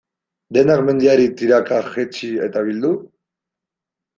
Denak mendiari tiraka, jetzi eta bildu?